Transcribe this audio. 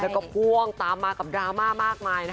และก็พ่วงตามมากับดราม่ามากมาย